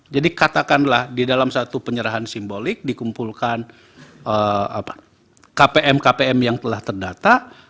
jadi katakanlah di dalam satu penyerahan simbolik dikumpulkan kpm kpm yang telah terdata